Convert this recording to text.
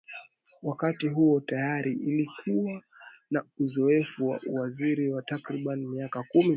Wakati huo tayari alikuwa na uzoefu wa uwaziri wa takribani miaka kumi na tano